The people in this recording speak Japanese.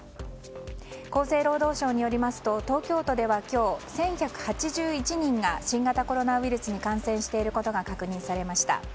厚生労働省によりますと東京都では今日１１８１人が新型コロナウイルスに感染していることが確認されました。